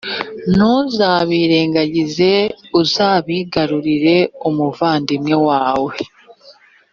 ntuzabyirengagize p uzabigarurire umuvandimwe wawe